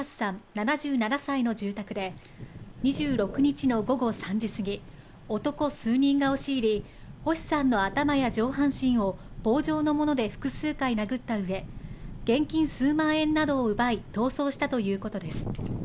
７７歳の住宅で、２６日の午後３時過ぎ、男数人が押し入り、星さんの頭や上半身を棒状のもので複数回殴ったうえ、現金数万円などを奪い逃走したということです。